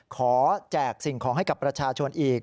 แจกสิ่งของให้กับประชาชนอีก